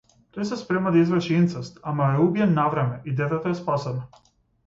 Тој се спрема да изврши инцест, ама е убиен навреме и детето е спасено.